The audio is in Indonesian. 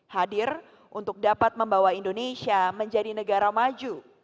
hadir untuk dapat membawa indonesia menjadi negara maju